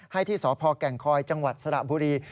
ให้ที่สพแก่งคอยจังหวัดสระบุรี